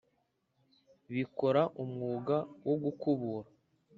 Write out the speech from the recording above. bikora umwuga wo gukubura